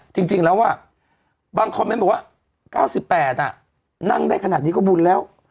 จริงจริงแล้วว่าบางคอมเม้นต์บอกว่าเก้าสิบแปดอ่ะนั่งได้ขนาดนี้ก็บุญแล้ว